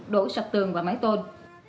đổ sập tường và máy tôn